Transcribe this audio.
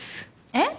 えっ？